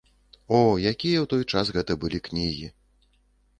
О, якія ў той час гэта былі кнігі!